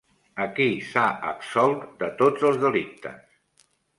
A qui s'ha absolt de tots els delictes?